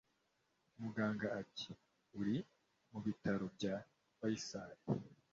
muganga ati"uri mubitaro bya fayisale."